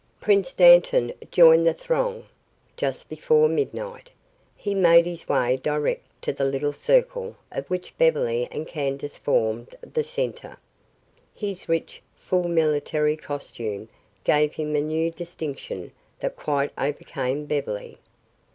Prince Dantan joined the throng just before midnight. He made his way direct to the little circle of which Beverly and Candace formed the center. His rich, full military costume gave him a new distinction that quite overcame Beverly.